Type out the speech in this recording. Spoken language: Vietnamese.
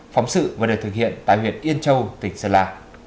phóng sự vừa được thực hiện tại huyện yên châu tỉnh sơn la